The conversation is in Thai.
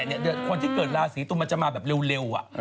เนี่ยคนที่เกิดราศรีตุลมันจะมาแบบเร็วอ่ะ